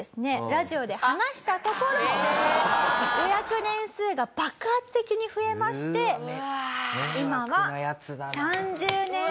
ラジオで話したところ予約年数が爆発的に増えまして今は。